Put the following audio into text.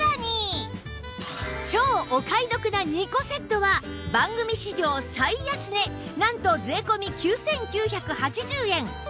超お買い得な２個セットは番組史上最安値なんと税込９９８０円